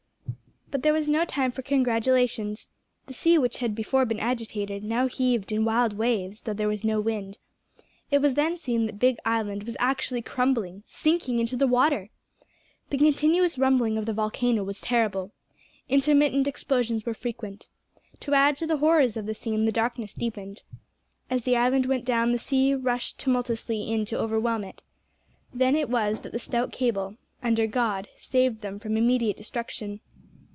But there was no time for congratulations. The sea which had before been agitated, now heaved in wild waves, though there was no wind. It was then seen that Big Island was actually crumbling sinking into the water! The continuous rumbling of the volcano was terrible. Intermittent explosions were frequent. To add to the horrors of the scene the darkness deepened. As the island went down the sea rushed tumultuously in to overwhelm it. Then it was that the stout cable, under God, saved them from immediate destruction.